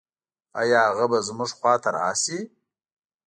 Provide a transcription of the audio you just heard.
آيا هغه به زموږ خواته راشي؟